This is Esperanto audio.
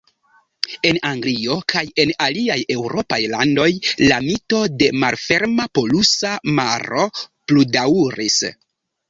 En Anglio kaj en aliaj eŭropaj landoj, la mito de "Malferma Polusa Maro" pludaŭris.